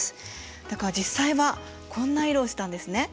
だから実際はこんな色をしてたんですね。